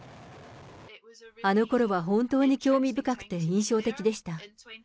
あのころは本当に興味深くて印象的でした。